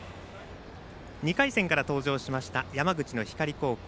２回戦から登場しました山口の光高校。